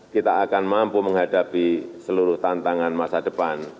kita akan mampu menghadapi seluruh tantangan masa depan